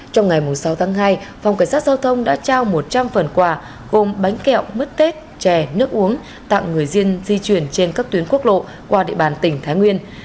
trong ngày sáu tháng hai phòng cảnh sát giao thông đã trao một trăm linh phần quà gồm bánh kẹo mứt tết chè nước uống tặng người riêng di chuyển trên các tuyến quốc lộ qua địa bàn tỉnh thái nguyên